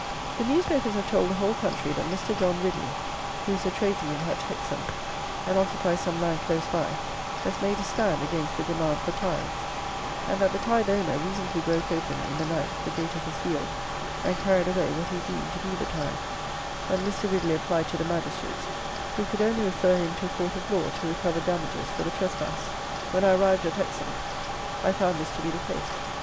The newspapers have told the whole country that Mr. John Ridley, who is a tradesman at Hexham, and occupies some land close by, has made a stand against the demand for tithes; and that the tithe owner recently broke open, in the night, the gate of his field, and carried away what he deemed to be the tithe; that Mr. Ridley applied to the magistrates, who could only refer him to a court of law to recover damages for the trespass. When I arrived at Hexham, I found this to be the case.